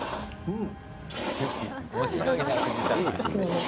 うん。